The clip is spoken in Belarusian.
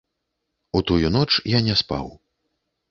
У тую ноч я не спаў.